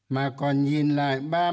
mà còn nhìn lại